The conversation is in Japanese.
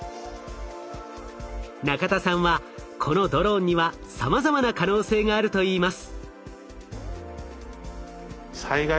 中田さんはこのドローンにはさまざまな可能性があるといいます。